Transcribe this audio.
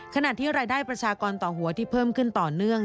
ขณะที่รายได้ประชากรต่อหัวที่เพิ่มขึ้นต่อเนื่อง